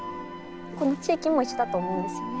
この地域も一緒だと思うんですよね。